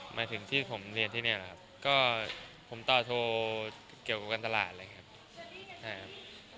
หมายถึงที่ผมเรียนที่นี่แหละครับก็ผมต่อโทรเกี่ยวกับการตลาดอะไรอย่างนี้ครับใช่ครับ